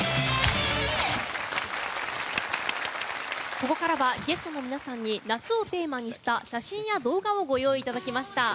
ここからは、ゲストの皆さんに夏をテーマにした写真や動画をご用意いただきました。